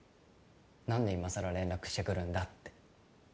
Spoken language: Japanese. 「何で今さら連絡してくるんだ」って